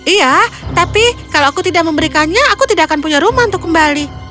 iya tapi kalau aku tidak memberikannya aku tidak akan punya rumah untuk kembali